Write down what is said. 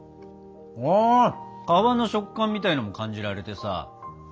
皮の食感みたいなのも感じられてさ。